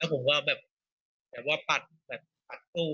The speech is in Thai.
แล้วผมก็แบบแบบว่าปัดปัดสู้